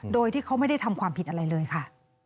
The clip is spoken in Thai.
โดยที่เขาไม่ได้ทำความผิดอะไรเลยค่ะ